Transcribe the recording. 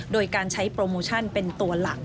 โดยการใช้โปรโมชั่นเป็นตัวหลัก